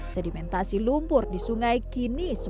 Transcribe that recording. sedimentasi lumpur di sungai kini semakin